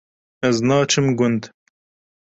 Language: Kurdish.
Ez naçim gund